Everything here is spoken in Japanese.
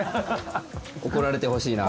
怒られてほしいな。